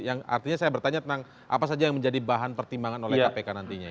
yang artinya saya bertanya tentang apa saja yang menjadi bahan pertimbangan oleh kpk nantinya